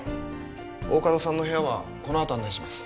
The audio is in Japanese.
大加戸さんの部屋はこのあと案内します